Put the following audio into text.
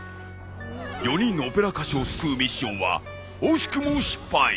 ［４人のオペラ歌手を救うミッションは惜しくも失敗］